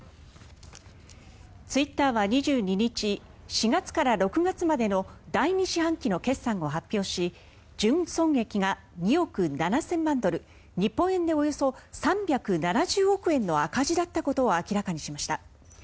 ツイッターは２２日４月から６月までの第２四半期の決算を発表し純損益が２億７０００万ドル日本円でおよそ３７０億円の赤字だったことを明らかにしました。